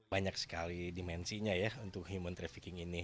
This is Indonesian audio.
banyak sekali dimensinya ya untuk human trafficking ini